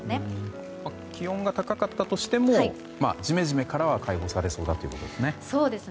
気温が高かったとしてもジメジメからは解放されそうだということですね。